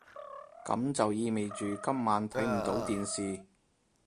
噉就意味住今晚睇唔到電視